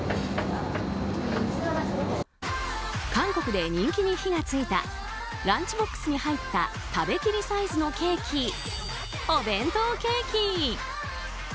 韓国で人気に火が付いたランチボックスに入った食べきりサイズのケーキお弁当ケーキ。